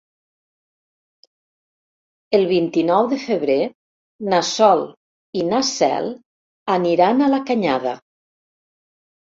El vint-i-nou de febrer na Sol i na Cel aniran a la Canyada.